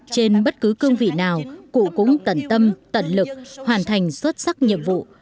trên bất cứ cương vị nào cụ cũng tận tâm tận lực hoàn thành xuất sắc nhiệm vụ